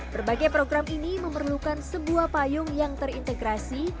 berbagai program ini memerlukan sebuah payung yang terintegrasi